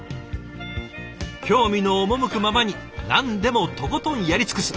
興味の赴くままに何でもとことんやり尽くす。